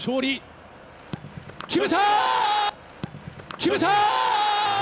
決めた！